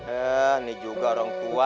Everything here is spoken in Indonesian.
eh ini juga orang tua